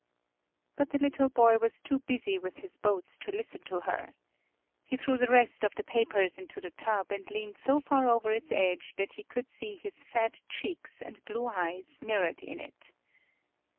But the little boy was too busy with his boats to listen to her. He threw the rest of the papers into the tub and leaned so far over its edge that he could see his fat cheeks and blue eyes mirrored in it.